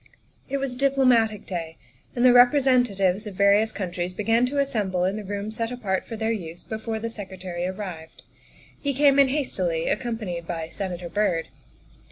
It was Diplomatic Day, and the representatives of various countries began to assemble in the room set apart for their use before the Secretary arrived. He came in hastily, accompanied by Senator Byrd.